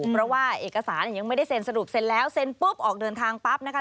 เพราะว่าเอกสารยังไม่ได้เซ็นสรุปเซ็นแล้วเซ็นปุ๊บออกเดินทางปั๊บนะคะ